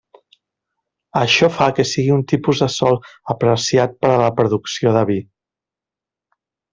Això fa que sigui un tipus de sòl apreciat per a la producció de vi.